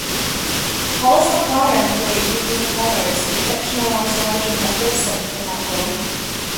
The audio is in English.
Hollis McLaren played "Liza Conners", the fictionalized version of Gibson, in that film.